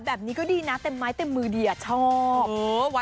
แบบนี้ก็ดีนะเต็มไม้เต็มมือดีอะชอบ